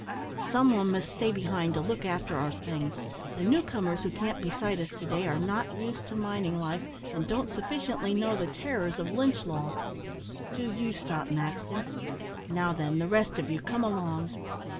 "Some one must stay behind to look after our things. The new comers who camped beside us to day are not used to mining life, and don't sufficiently know the terrors of Lynch law. Do you stop, Maxton. Now then, the rest of you, come along."